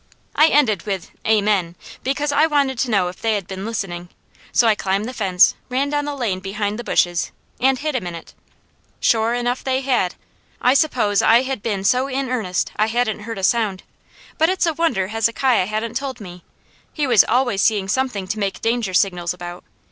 I ended with "Amen," because I wanted to know if they had been listening; so I climbed the fence, ran down the lane behind the bushes, and hid a minute. Sure enough they had! I suppose I had been so in earnest I hadn't heard a sound, but it's a wonder Hezekiah hadn't told me. He was always seeing something to make danger signals about.